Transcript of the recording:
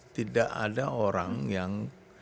tidak ada orang yang